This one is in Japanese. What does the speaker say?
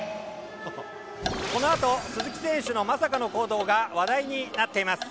このあと鈴木選手のまさかの行動が話題になっています。